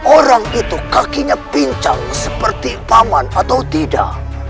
orang itu kakinya pincang seperti paman atau tidak